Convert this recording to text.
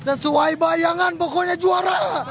sesuai bayangan pokoknya juara